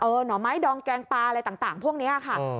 หน่อไม้ดองแกงปลาอะไรต่างพวกนี้ค่ะ